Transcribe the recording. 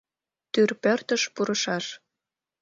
Тӱр пӧртыш пурышаш.